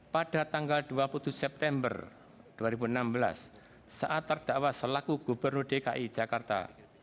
pada tanggal dua puluh tujuh september dua ribu enam belas saat terdakwa selaku gubernur dki jakarta